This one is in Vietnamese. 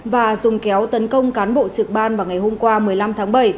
và dùng kéo tấn công cán bộ trực ban vào ngày hôm qua một mươi năm tháng bảy